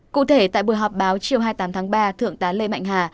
cụ thể tại buổi họp báo chiều hai mươi tám tháng ba thượng tá lê mạnh hà